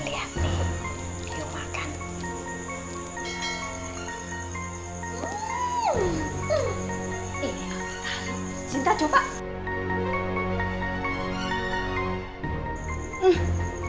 lihatlah aku akan makan